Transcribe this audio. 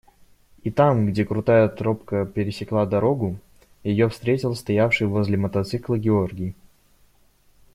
И там, где крутая тропка пересекала дорогу, ее встретил стоявший возле мотоцикла Георгий.